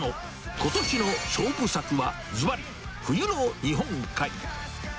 ことしの勝負作はずばり、冬の日本海。